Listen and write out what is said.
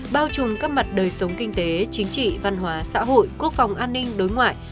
bao trùm các mặt đời sống kinh tế chính trị văn hóa xã hội quốc phòng an ninh đối ngoại